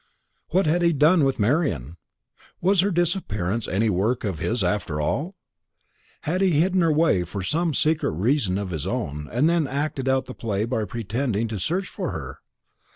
What had he done with Marian? Was her disappearance any work of his, after all? Had he hidden her away for some secret reason of his own, and then acted out the play by pretending to search for her?